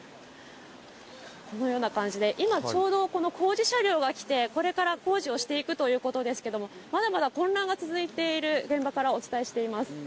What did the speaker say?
このような感じで今ちょうど工事車両が来て、これから工事をしていくということですけれども、まだまだ混乱が続いている現場からお伝えしています。